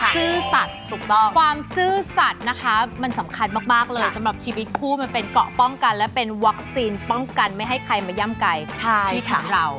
ซื่อสัตว์ถูกต้องความซื่อสัตว์นะคะมันสำคัญมากเลยสำหรับชีวิตคู่มันเป็นเกาะป้องกันและเป็นวัคซีนป้องกันไม่ให้ใครมาย่ำไก่ชีวิตของเรา